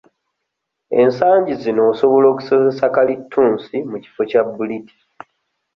Ensangi zino osobola okuseresa kalittunsi mu kifo kya bbuliti.